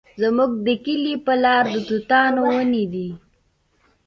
زموږ د کلي په لاره د توتانو ونې دي